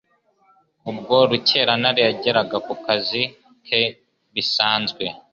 ubwo Rukerantare yageraga ku kazi ke bisanzwe,